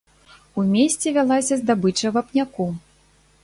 У месце вялася здабыча вапняку.